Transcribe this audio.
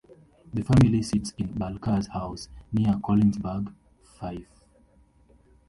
The family seat is Balcarres House, near Colinsburgh, Fife.